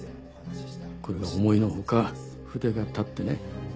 これが思いのほか筆が立ってね。